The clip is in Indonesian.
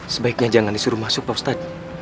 sebaiknya jangan disuruh masuk pak ustadz